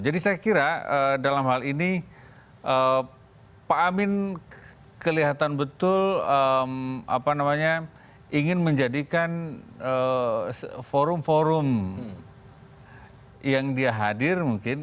jadi saya kira dalam hal ini pak amin kelihatan betul ingin menjadikan forum forum yang dia hadir mungkin